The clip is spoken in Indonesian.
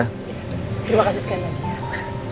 terima kasih sekali lagi